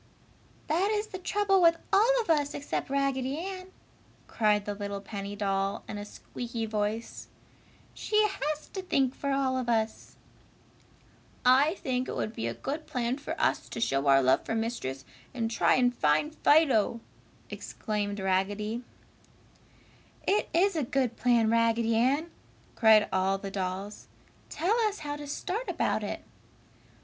"That is the trouble with all of us except Raggedy Ann!" cried the little penny doll, in a squeaky voice, "She has to think for all of us!" "I think it would be a good plan for us to show our love for Mistress and try and find Fido!" exclaimed Raggedy. "It is a good plan, Raggedy Ann!" cried all the dolls. "Tell us how to start about it."